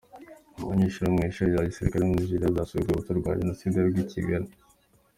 Abanyeshuri bo mu ishuri rya gisirikare muri Nigeria basuye urwibutso rwa Jenoside rwa Kigali.